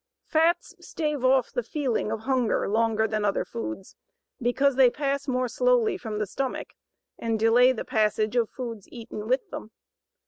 Fats stave off the feeling of hunger longer than other foods because they pass more slowly from the stomach and delay the passage of foods eaten with them.